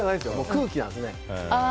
空気なんですよね。